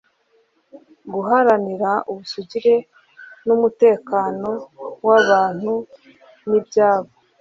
guharanira ubusugire n'umutekano w'abantu n'ibyabo